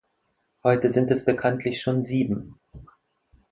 Heute sind es bekanntlich schon sieben.